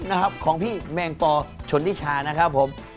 นะครับของพี่แมงปอชนทิชานะครับผม